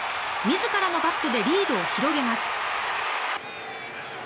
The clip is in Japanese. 自らのバットでリードを広げます。